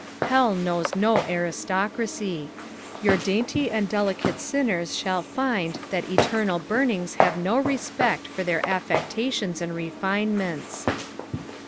Hell knows no aristocracy. Your dainty and delicate sinners shall find that eternal buroinirs have no respect for their afiei^t at ions and refinements.